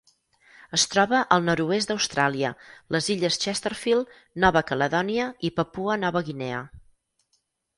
Es troba al nord-oest d'Austràlia, les illes Chesterfield, Nova Caledònia i Papua Nova Guinea.